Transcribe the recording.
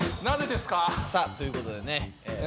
なぜですか？ということでね